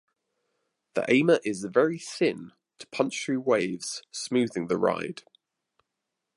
The ama is very thin, to punch through waves, smoothing the ride.